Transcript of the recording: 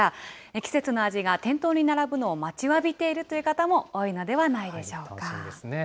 季節の味が店頭に並ぶのを待ちわびているという方も多いのではな楽しみですね。